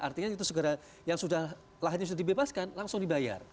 artinya itu segera yang sudah lahan yang sudah dibebaskan langsung dibebaskan